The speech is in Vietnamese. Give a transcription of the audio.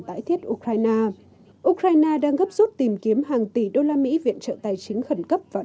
tải thiết ukraine ukraine đang gấp rút tìm kiếm hàng tỷ đô la mỹ viện trợ tài chính khẩn cấp vào